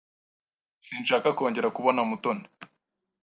Sinshaka kongera kubona Mutoni.